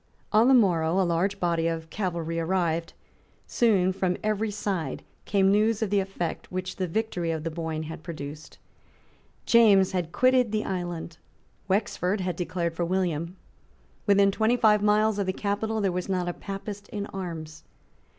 On the morrow a large body of cavalry arrived; and soon from every side came news of the effects which the victory of the Boyne had produced. James had quitted the island. Wexford had declared for William. Within twenty five miles of the capital there was not a Papist in arms.